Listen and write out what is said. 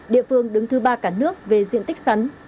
địa phương đứng thứ ba cả nước về diện tích sắn